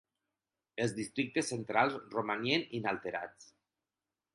Els districtes centrals romanien inalterats.